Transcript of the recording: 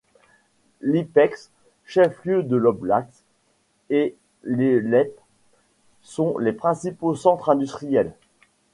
Lipetsk, chef-lieu de l’oblast, et Ielets, sont les principaux centres industriels.